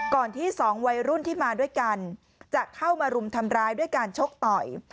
ที่สองวัยรุ่นที่มาด้วยกันจะเข้ามารุมทำร้ายด้วยการชกต่อย